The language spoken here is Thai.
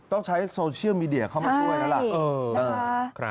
ต้องใช้โซเชียลมีเดียเข้ามาช่วยแล้วล่ะ